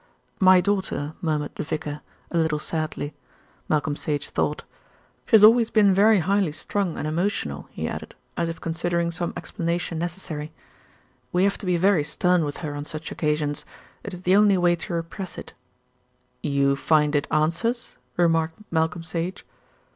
"My daughter," murmured the vicar, a little sadly, Malcolm Sage thought. "She has always been very highly strung and emotional," he added, as if considering some explanation necessary. "We have to be very stern with her on such occasions. It is the only way to repress it." "You find it answers?" remarked Malcolm Sage.